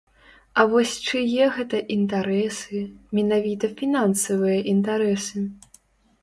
А вось чые гэта інтарэсы, менавіта фінансавыя інтарэсы?